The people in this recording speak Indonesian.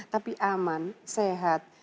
tapi aman sehat